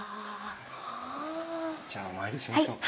じゃあお参りしましょう。